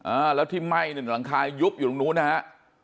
อ่าแล้วที่ไหม้หนึ่งหลังคายุบอยู่ตรงนู้นนะฮะ